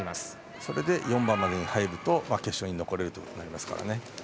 それで４番までに入ると決勝に残れますね。